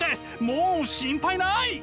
もう心配ない！